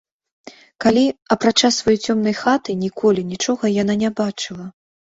Калі, апрача сваёй цёмнай хаты, ніколі нічога яна не бачыла.